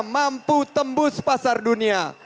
mampu tembus pasar dunia